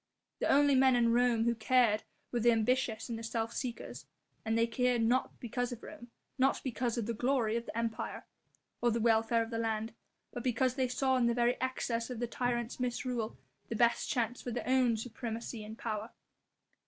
The only men in Rome who cared were the ambitious and the self seekers, and they cared not because of Rome, not because of the glory of the Empire, or the welfare of the land, but because they saw in the very excess of the tyrant's misrule the best chance for their own supremacy and power.